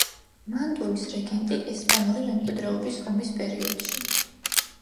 მანტუის რეგენტი ესპანური მემკვიდრეობის ომის პერიოდში.